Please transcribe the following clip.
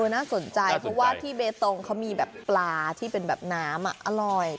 น่าสนใจเพราะว่าที่เบตงเขามีแบบปลาที่เป็นแบบน้ำอร่อย